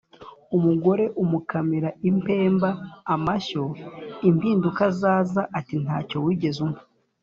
Umugore umukamira impenda (amashyo) impinduka zaza ati ntacyo wigeze umpa.